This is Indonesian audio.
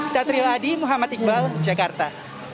saya triladi muhammad iqbal jakarta